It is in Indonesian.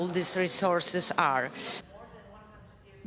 di mana semua sumber daya alam ini berada